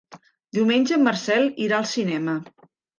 Diumenge en Marcel irà al cinema.